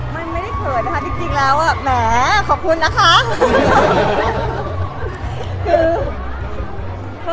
มันไม่ได้เขินนะคะจริงแล้วแหมขอบคุณนะคะ